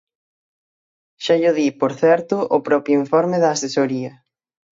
Xa llo di, por certo, o propio informe da Asesoría.